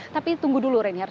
tapi tunggu dulu reinhardt